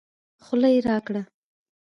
خوله يې راګړه